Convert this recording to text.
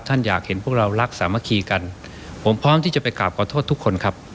อยากเห็นพวกเรารักสามัคคีกันผมพร้อมที่จะไปกราบขอโทษทุกคนครับ